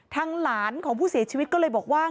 ทางหลานของผู้เสียชีวิตก็เลยบอกว่า